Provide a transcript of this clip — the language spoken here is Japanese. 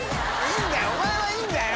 おまえはいいんだよ！